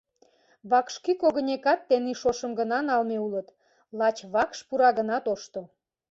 Вакшкӱ когынекат тений шошым гына налме улыт, лач вакш пура гына тошто.